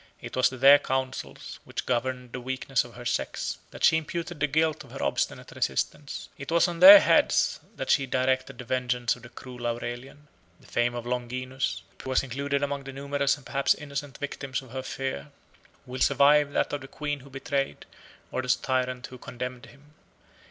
It was to their counsels, which governed the weakness of her sex, that she imputed the guilt of her obstinate resistance; it was on their heads that she directed the vengeance of the cruel Aurelian. The fame of Longinus, who was included among the numerous and perhaps innocent victims of her fear, will survive that of the queen who betrayed, or the tyrant who condemned him.